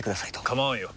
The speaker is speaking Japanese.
構わんよ。